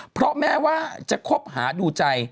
เพราะแม้ว่าจะคบหาดูใจ